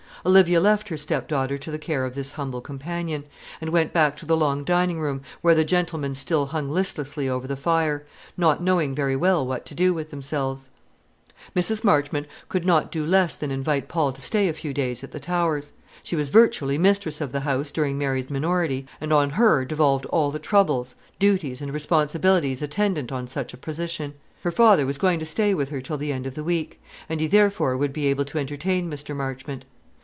Olivia left her stepdaughter to the care of this humble companion, and went back to the long dining room, where the gentlemen still hung listlessly over the fire, not knowing very well what to do with themselves. Mrs. Marchmont could not do less than invite Paul to stay a few days at the Towers. She was virtually mistress of the house during Mary's minority, and on her devolved all the troubles, duties, and responsibilities attendant on such a position. Her father was going to stay with her till the end of the week; and he therefore would be able to entertain Mr. Marchmont.